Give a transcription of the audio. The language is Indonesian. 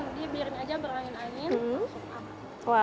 dia biarin aja berangin angin langsung aman